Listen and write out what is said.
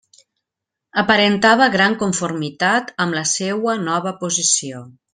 Aparentava gran conformitat amb la seua nova posició.